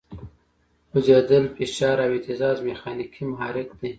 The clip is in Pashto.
خوځېدل، فشار او اهتزاز میخانیکي محرک دی.